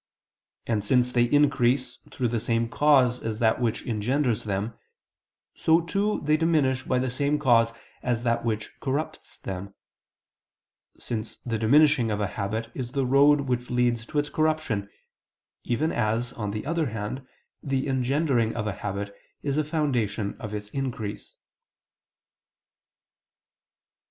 And since they increase through the same cause as that which engenders them, so too they diminish by the same cause as that which corrupts them: since the diminishing of a habit is the road which leads to its corruption, even as, on the other hand, the engendering of a habit is a foundation of its increase.